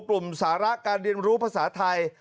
สาระการเรียนรู้ภาษาไทย